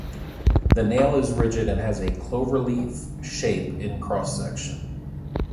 The nail is rigid and has a cloverleaf shape in cross-section.